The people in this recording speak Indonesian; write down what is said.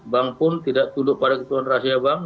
bank pun tidak tunduk pada ketentuan rahasia bank